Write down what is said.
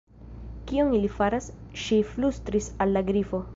"Kion ili faras?" ŝi flustris al la Grifo.